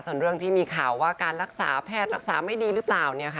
ส่วนเรื่องที่มีข่าวว่าการรักษาแพทย์รักษาไม่ดีหรือเปล่า